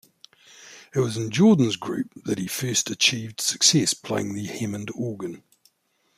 It was in Jordan's group that he first achieved success playing the Hammond organ.